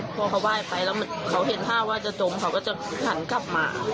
พอเขาไหว้ไปแล้วเขาเห็นท่าว่าจะจมเขาก็จะหันกลับมา